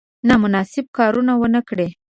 نامناسب کار ونه کړي.